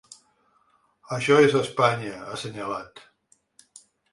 Això és Espanya, ha assenyalat.